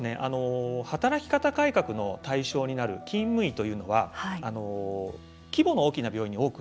働き方改革の対象になる勤務医というのは規模の大きな病院に多くいるんですよね。